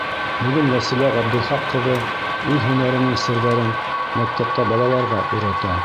Бөгөн Вәсилә Ғабдулхаҡ ҡыҙы үҙ һөнәренең серҙәрен мәктәптә балаларға өйрәтә.